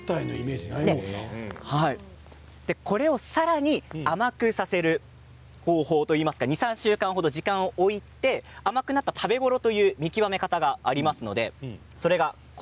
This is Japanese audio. これをさらに甘くさせる方法というか２、３週間程、時間を置いて甘くなった食べ頃の見極め方があります。